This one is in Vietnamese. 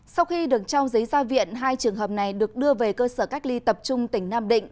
sau khi được trao giấy ra viện hai trường hợp này được đưa về cơ sở cách ly tập trung tỉnh nam định